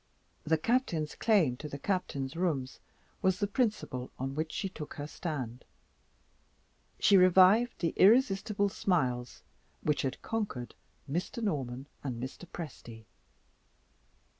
The Captain's claim to the Captain's rooms was the principle on which she took her stand. She revived the irresistible smiles which had conquered Mr. Norman and Mr. Presty.